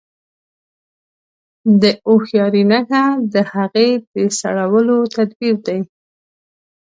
د هوښياري نښه د هغې د سړولو تدبير دی.